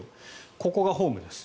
ここがホームです。